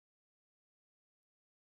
فلیریک وویل چې زه وږی نه یم.